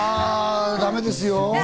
だめですよ。